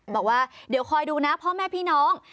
บอกว่าเดี๋ยวคอยดูนะพ่อแม่พี่น้อง